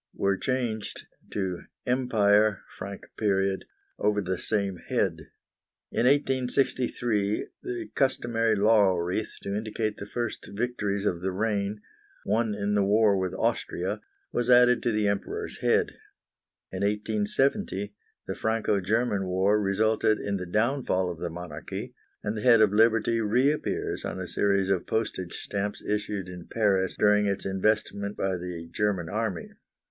were changed to "EMPIRE FRANC." over the same head. In 1863 the customary laurel wreath, to indicate the first victories of the reign, won in the war with Austria, was added to the Emperor's head. In 1870 the Franco German War resulted in the downfall of the monarchy, and the head of Liberty reappears on a series of postage stamps issued in Paris during its investment by the German army.